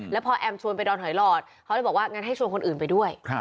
แล้วพอแอมชวนไปดอนหอยหลอดเขาเลยบอกว่างั้นให้ชวนคนอื่นไปด้วย